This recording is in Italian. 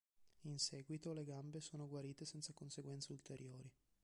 In seguito, le gambe sono guarite senza conseguenze ulteriori.